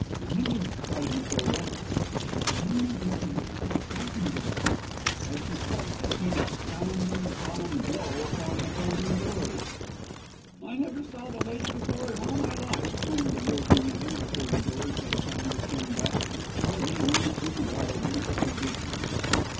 "Leander," cried Matilda, "what can there be to look so frightened of?" and as she spoke there came a sounding solemn blow upon the folding doors. "I never saw the lady before in all my life!" moaned the guilty man, before the doors had time to swing back; for he knew too well who stood behind them.